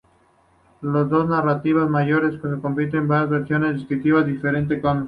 Las dos narrativas mayores que compiten, dan versiones descriptivas diferentes de Comala.